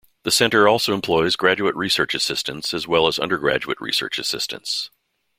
The Center also employs graduate research assistants as well as undergraduate research assistants.